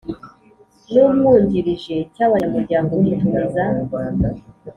n Umwungirije cy Abanyamuryango gitumiza